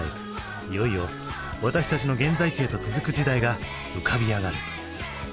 いよいよ私たちの現在地へと続く時代が浮かび上がる。